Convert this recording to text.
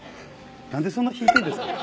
何でそんな引いてんですか？